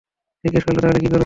জিজ্ঞেস করলো, তাহলে কি করবো?